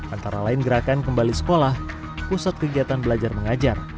antara lain gerakan kembali sekolah pusat kegiatan belajar mengajar